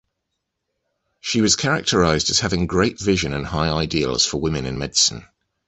She was characterized as having great vision and high ideals for women in medicine.